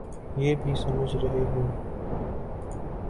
یہ بھی سمجھ رہے ہوں۔